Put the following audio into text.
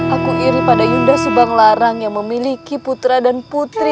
aku iri pada yunda subanglarang yang memiliki putra dan putri